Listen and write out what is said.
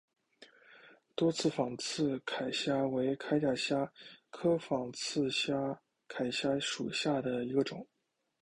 多刺仿刺铠虾为铠甲虾科仿刺铠虾属下的一个种。